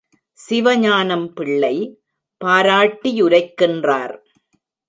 Sivagnanam Pillai பாராட்டியுரைக்கின்றார்.